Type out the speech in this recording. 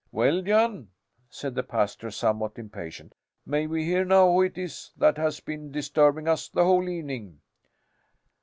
"Well, Jan," said the pastor, somewhat impatient, "may we hear now who it is that has been disturbing us the whole evening?"